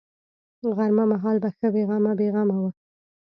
غرمه مهال به ښه بې غمه بې غمه وه.